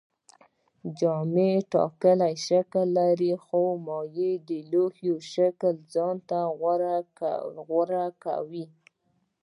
جامد ټاکلی شکل لري خو مایع د لوښي شکل ځان ته غوره کوي